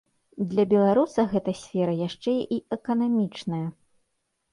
Для беларуса гэта сфера яшчэ і эканамічная.